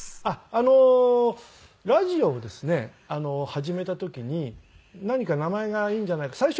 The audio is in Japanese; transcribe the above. ラジオをですね始めた時に何か名前がいるんじゃないか。